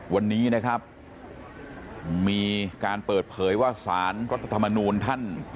วันนี้นะครับมีการเปิดเผยว่าสารรัฐธรรมนูลท่าน